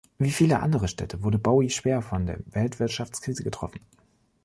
Wie viele andere Städte, wurde Bowie schwer von der Weltwirtschaftskrise getroffen.